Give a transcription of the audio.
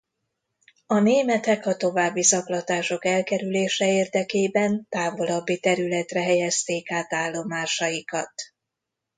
A németek a további zaklatások elkerülése érdekében távolabbi területre helyezték át állomásaikat.